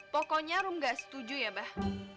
pokoknya rumi gak setuju ya mbah